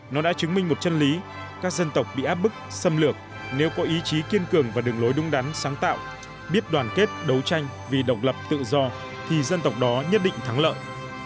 nó đã chứng minh một chân lý các dân tộc bị áp bức xâm lược nếu có ý chí kiên cường và đường lối đúng đắn sáng tạo biết đoàn kết đấu tranh vì độc lập tự do thì dân tộc đó nhất định thắng lợi